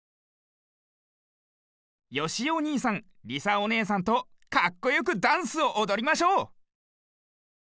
よしおにいさんりさおねえさんとかっこよくダンスをおどりましょう！